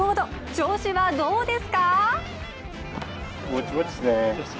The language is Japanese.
調子はどうですか？